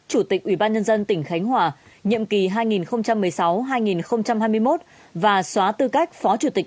chủ tịch ủy ban nhân dân tỉnh khánh hòa nhiệm kỳ hai nghìn một mươi sáu hai nghìn hai mươi một và xóa tư cách phó chủ tịch